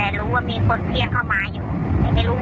แต่รู้ว่ามีคนเพี้ยงเข้ามาอยู่